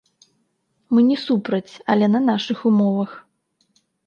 Мы не супраць, але на нашых умовах.